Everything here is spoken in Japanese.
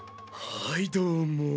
はいどうも。